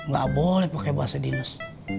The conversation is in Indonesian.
gak boleh pakai bahasa dinas